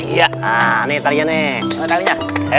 ya nih tariannya